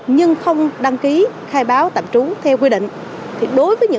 nhưng không đăng ký khai báo tạm trú theo quy định